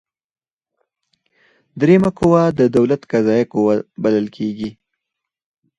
دریمه قوه د دولت قضاییه قوه بلل کیږي.